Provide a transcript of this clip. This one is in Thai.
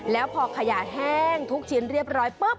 แล้วพอขยะแห้งทุกชิ้นเรียบร้อยปุ๊บ